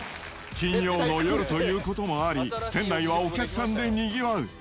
金曜の夜ということもあり、店内はお客さんでにぎわう。